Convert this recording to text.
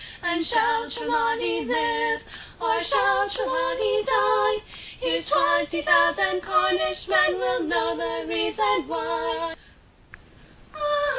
And shall Trelawny live? Or shall Trelawny die? Here's twenty thousand Cornish men Will know the reason why!